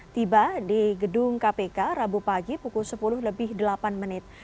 tiba di gedung kpk rabu pagi pukul sepuluh lebih delapan menit